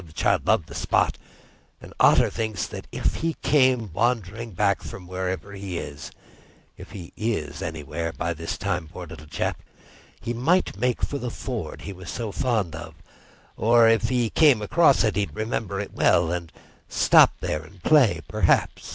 The child loved the spot, and Otter thinks that if he came wandering back from wherever he is—if he is anywhere by this time, poor little chap—he might make for the ford he was so fond of; or if he came across it he'd remember it well, and stop there and play, perhaps.